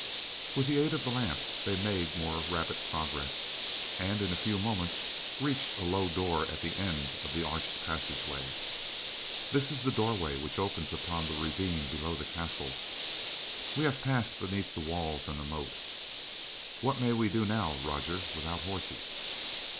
With the aid of the lamp, they made more rapid progress, and in a few moments, reached a low door at the end of the arched passageway. "This is the doorway which opens upon the ravine below the castle. We have passed beneath the walls and the moat. What may we do now, Roger, without horses?"